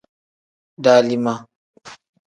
Dalima.